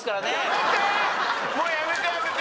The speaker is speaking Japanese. もうやめてやめて！